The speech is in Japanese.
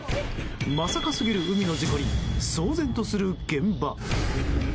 まさかすぎる海の事故に騒然とする現場。